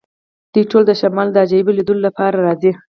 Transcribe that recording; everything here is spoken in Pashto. دوی ټول د شمال د عجایبو لیدلو لپاره راځي